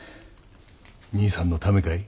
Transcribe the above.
兄さんのためかい？